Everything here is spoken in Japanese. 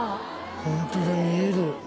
ホントだ見える。